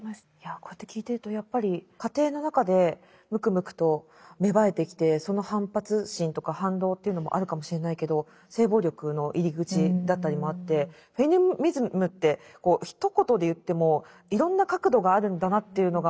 こうやって聞いてるとやっぱり家庭の中でむくむくと芽生えてきてその反発心とか反動というのもあるかもしれないけど性暴力の入り口だったりもあってフェミニズムってひと言で言ってもいろんな角度があるんだなというのが。